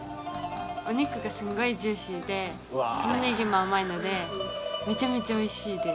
お肉がすんごいジューシーでタマネギも甘いのでめちゃめちゃおいしいです